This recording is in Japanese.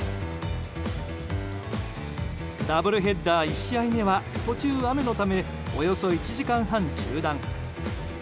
ダブルヘッダー１試合目は途中、雨のためおよそ１時間半中断。